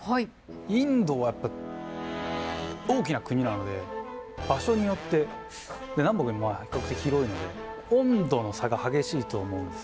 インドはやっぱ大きな国なので場所によって南北にも比較的広いので温度の差が激しいと思うんです。